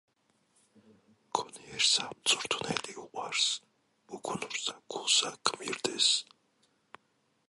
გონიერსა მწვრთნელი უყვარს, უგუნურსა გულსა ჰგმირდეს